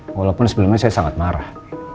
walaupun sebelumnya saya sangat marah